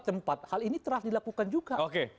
tempat hal ini telah dilakukan juga